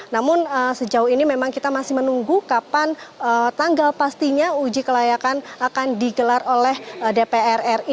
namun sejauh ini memang kita masih menunggu kapan tanggal pastinya uji kelayakan akan digelar oleh dpr ri